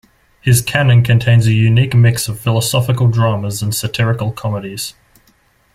His canon contains a unique mix of philosophical dramas and satirical comedies.